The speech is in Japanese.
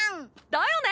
だよね。